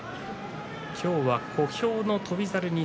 今日は小兵の翔猿です。